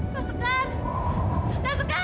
kak sekar kak sekar